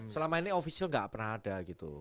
selama ini official enggak pernah ada gitu